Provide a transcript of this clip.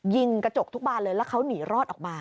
ยิงกระจกทุกบานเลยแล้วเขาหนีรอดออกมา